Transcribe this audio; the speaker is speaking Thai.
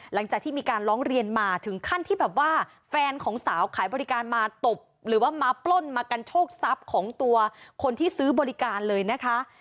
หลังจากที่มีการร้องเรียนมาถึงขั้นที่แบบว่าแฟนของสาวขายบริการมาตบหรือว่ามาปล้นมากันโชคทรัพย์ของตัวคนที่ซื้อบริการเลยนะคะ